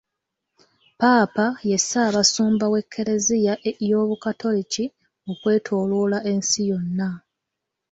Ppaapa ye ssaabasumba w'ekereziya y'obukatoliki okwetooloola ensi yonna.